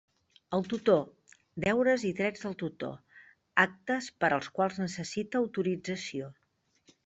El tutor; deures i drets del tutor; actes per als quals necessita autorització.